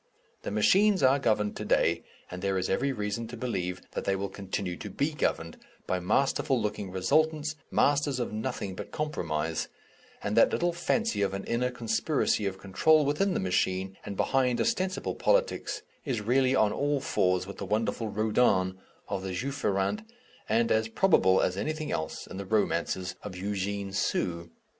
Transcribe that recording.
The machines are governed to day, and there is every reason to believe that they will continue to be governed, by masterful looking resultants, masters of nothing but compromise, and that little fancy of an inner conspiracy of control within the machine and behind ostensible politics is really on all fours with the wonderful Rodin (of the Juif Errant) and as probable as anything else in the romances of Eugene Sue.